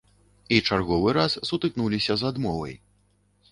І чарговы раз сутыкнуліся з адмовай.